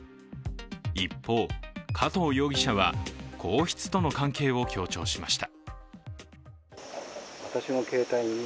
一方、加藤容疑者は皇室との関係を強調しました。